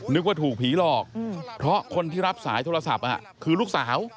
นึกว่าถูกผีหลอกเพราะคนที่รับสายโทรศัพท์คือลูกสาว